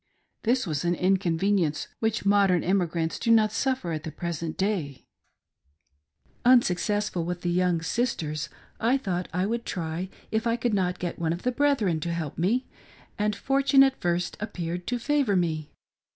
This was an inconvenience which modern emigrants do not suffer at the present day. i/S "harry and the rats." Unsuccessful with the young sisters, I thought I would try if I could not get one of the brethren to help me, and fortune at first appeared to favor me.